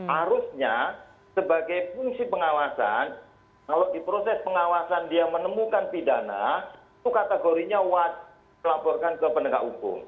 harusnya sebagai fungsi pengawasan kalau di proses pengawasan dia menemukan pidana itu kategorinya wajib melaporkan ke penegak hukum